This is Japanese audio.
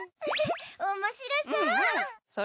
おもしろそう！